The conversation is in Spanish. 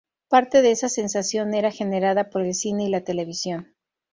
Parte de esa sensación era generada por el cine y la televisión.